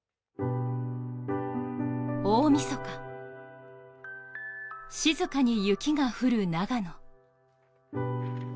大みそか、静かに雪が降る長野。